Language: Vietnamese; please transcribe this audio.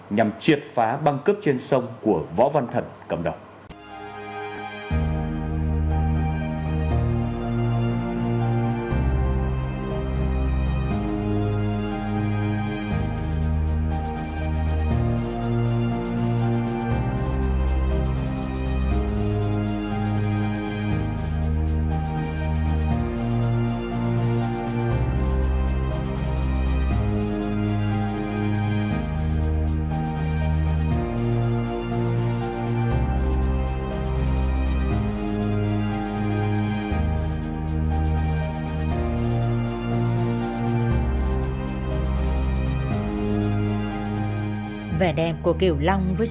nhằm triệt phá băng cướp trên sông của võ văn thận cầm đồng